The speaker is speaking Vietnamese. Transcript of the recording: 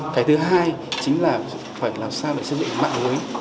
cái thứ hai chính là phải làm sao để xây dựng mạng lưới